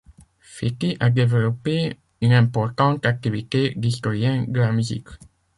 Fétis a développé une importante activité d’historien de la musique.